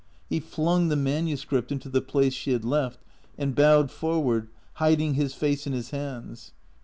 He flung the manuscript into the place she had left, and bowed forward, hiding his face in his hands.